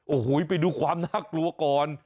โอ้โหไปดูความน่ากลัวก่อน